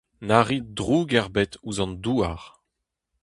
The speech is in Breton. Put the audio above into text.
Na rit droug ebet ouzh an douar.